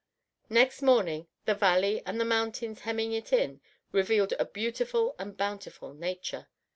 Next morning the valley and the mountains hemming it in revealed a beautiful and bountiful nature.